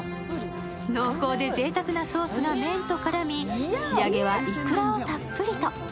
濃厚でぜいたくなソースが麺と絡み、仕上げはいくらをたっぷりと。